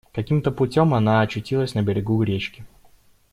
Каким-то путем она очутилась на берегу речки.